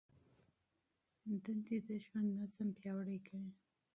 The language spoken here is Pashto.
دندې د ژوند نظم پیاوړی کوي.